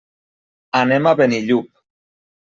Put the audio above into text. Anem a Benillup.